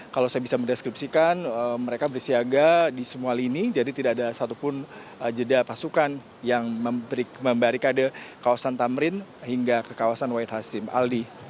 kalau saya bisa mendeskripsikan mereka bersiaga di semua lini jadi tidak ada satupun jeda pasukan yang membarikade kawasan tamrin hingga ke kawasan wahid hasim aldi